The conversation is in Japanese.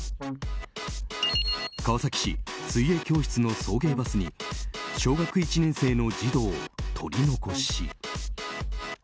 川崎市水泳の送迎バスで小学１年生の児童、取り残し。